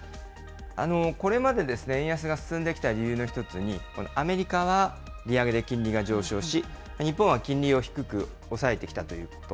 これまで円安が進んできた理由の１つにアメリカは利上げで金利が上昇し、日本は金利を低く抑えてきたということ。